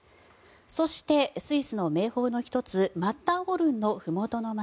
そしてスイスの名峰の１つマッターホルンのふもとの街